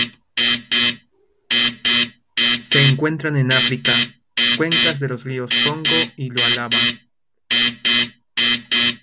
Se encuentran en África: cuencas de los ríos Congo y Lualaba.